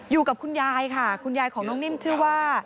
อยู่กับคุณยายค่ะคุณยายของน้องนิ่มชื่อว่า